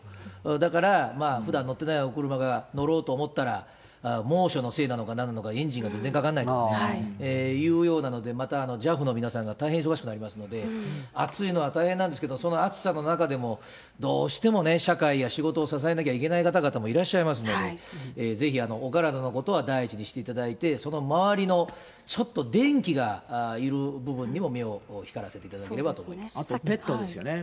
だから、ふだん乗ってないお車に乗ろうと思ったら、猛暑のせいなのかなんなのか、エンジンが全然かからないというようなので、ＪＡＦの皆さんが大変忙しくなりますので、暑いのは大変なんですけれども、その暑さの中でも、どうしてもね、社会や仕事を支えなきゃいけない方々もいらっしゃいますので、ぜひお体のことは大事にしていただいて、その周りのちょっと電気がいる部分にも目を光らせていただければあとペットですよね。